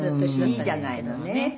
「いいじゃないの。ねえ」